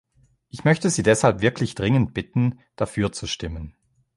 Ich möchte Sie deshalb wirklich dringend bitten, dafür zu stimmen.